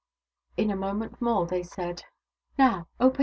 In a moment more they said, " Now, open your S.